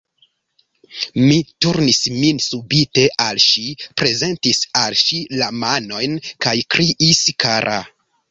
Mi turnis min subite al ŝi, prezentis al ŝi la manojn, kaj kriis: "Kara!"